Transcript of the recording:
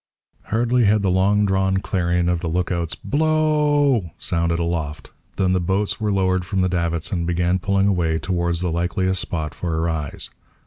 Hardly had the long drawn clarion of the look out's B l o w! sounded aloft than the boats were lowered from the davits and began pulling away towards the likeliest spot for a rise.